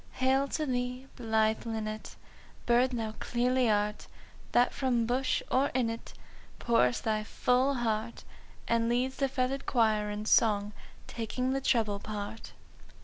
"Hail to thee, blithe linnet, Bird thou clearly art, That from bush or in it Pourest thy full heart! And leads the feathered choir in song _Taking the treble part.